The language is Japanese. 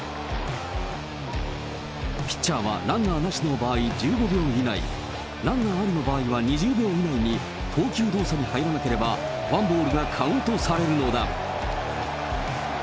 ピッチャーは、ランナーなしの場合１５秒以内、ランナーアリの場合は２０秒以内に投球動作に入らなければ、ワンボールがカウントされるのだ。